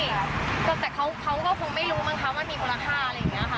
แต่เขาก็คงไม่รู้มั้งคะว่ามีมูลค่าอะไรอย่างนี้ค่ะ